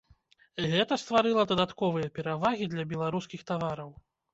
Гэта стварыла дадатковыя перавагі для беларускіх тавараў.